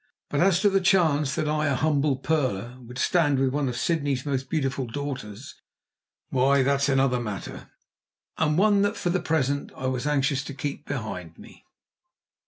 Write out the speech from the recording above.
But as to the chance, that I, a humble pearler, would stand with one of Sydney's most beautiful daughters why, that's another matter, and one that, for the present, I was anxious to keep behind me.